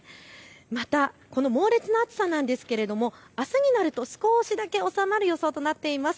またこの猛烈な暑さなんですがあすになると少しだけ収まる予想となっています。